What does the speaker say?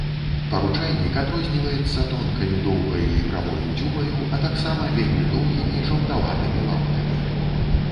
Паручайнік адрозніваецца тонкаю, доўгаю і прамою дзюбаю, а таксама вельмі доўгімі жаўтаватым лапкамі.